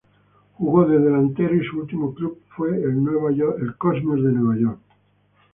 Jugó de delantero y su último club fue el New York Cosmos.